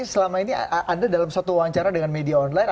selama ini anda dalam suatu wawancara dengan media online